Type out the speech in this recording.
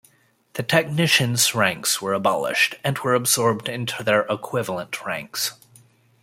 The Technician's ranks were abolished and were absorbed into their equivalent ranks.